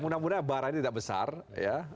mudah mudahan barang tidak besar ya